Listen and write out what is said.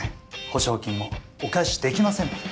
保証金もお返しできませんので